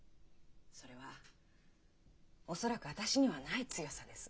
それは恐らく私にはない強さです。